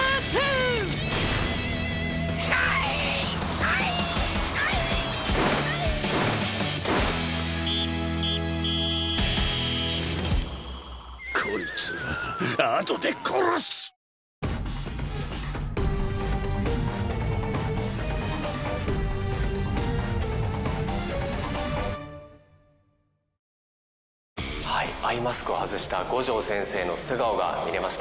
アイマスクを外した五条先生の素顔が見れましたね。